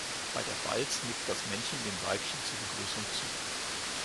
Bei der Balz nickt das Männchen dem Weibchen zur Begrüßung zu.